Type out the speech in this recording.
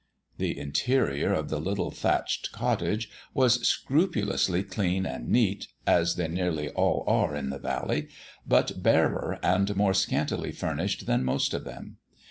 The interior of the tiny thatched cottage was scrupulously clean and neat, as they nearly all are in the valley, but barer and more scantily furnished than most of them.